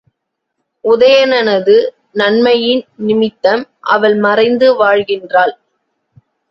உதயணனது நன்மையின் நிமித்தம் அவள் மறைந்து வாழ்கின்றாள்.